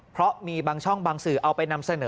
เพราะมีบางช่องบางสื่อเอาไปนำเสนอ